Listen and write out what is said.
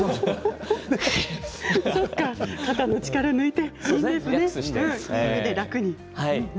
肩の力を抜いて。